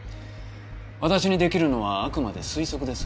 私にできるのはあくまで推測です。